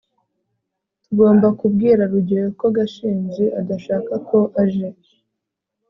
tugomba kubwira rugeyo ko gashinzi adashaka ko aje